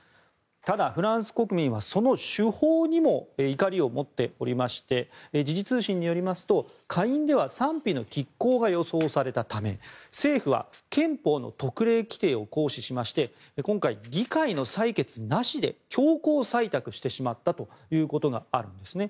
ただ、フランス国民はその手法にも怒りを持っておりまして時事通信によりますと、下院では賛否のきっ抗が予想されたため政府は憲法の特例規定を行使しまして今回、議会の採決なしで強行採択してしまったということがあるんですね。